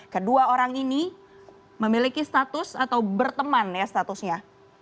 kedua orang ini memiliki status atau berteman ya statusnya